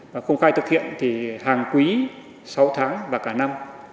và công khai thực hiện thì hàng quý sáu tháng và cả năm